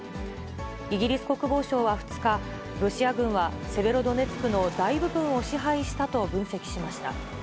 イギリス国防省は２日、ロシア軍はセベロドネツクの大部分を支配したと分析しました。